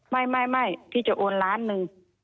ไม่พี่จะโอนล้านหนึ่ง